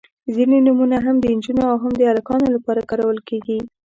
• ځینې نومونه هم د نجونو او هم د هلکانو لپاره کارول کیږي.